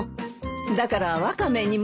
だからワカメにも。